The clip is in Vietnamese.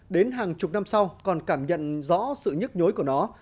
đến hàng chục năm sau còn cảm nhận rõ sự nhức nhối của nó